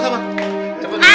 aduh aduh aduh